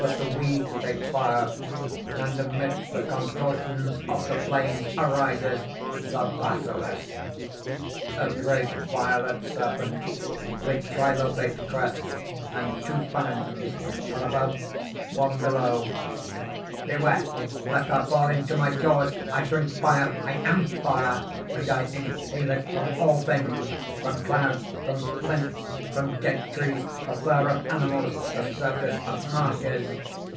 _ But the weeds take fire; and amidst the contorsions of the flames, arises) THE BASILISK (A great violet serpent, with trilobate crest, and two fangs, one above, one below): "Beware, lest thou fall into my jaws! I drink fire. I am fire! and I inhale it from all things: from clouds, from flints, from dead trees, the fur of animals, the surface of marshes.